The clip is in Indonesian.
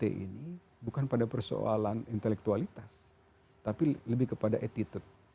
jadi ini bukan pada persoalan intelektualitas tapi lebih kepada attitude